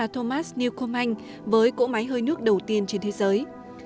thomas newcomm với cỗ máy hơi nước đầu tiên trên thế giới